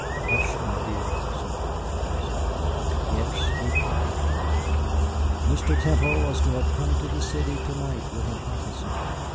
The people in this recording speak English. "Hush, my dear," said the Vicomtesse. "Yes, he pardoned him. Mr. Temple was to have come to the city to night with an officer.